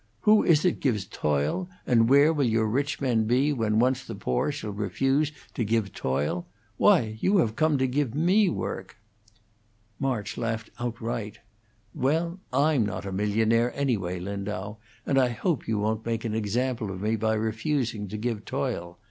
Who is it gives toil, and where will your rich men be when once the poor shall refuse to give toil? Why, you have come to give me work!" March laughed outright. "Well, I'm not a millionaire, anyway, Lindau, and I hope you won't make an example of me by refusing to give toil.